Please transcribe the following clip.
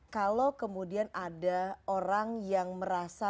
kalau kemudian ada orang yang merasa